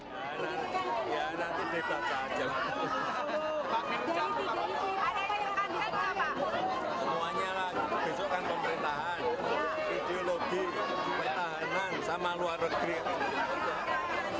bisa kan pemerintahan ideologi keamanan sama luar negeri